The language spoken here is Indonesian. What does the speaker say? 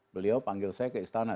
beliau panggil saya ke istana